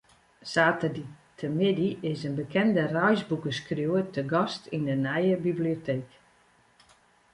Saterdeitemiddei is in bekende reisboekeskriuwer te gast yn de nije biblioteek.